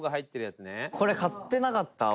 玉森：これ、買ってなかった？